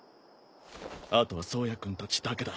あとは颯也君たちだけだ。